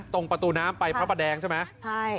ตรงประตูน้ำไปพระประแดงใช่ไหมใช่